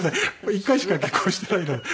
１回しか。結婚してないのに。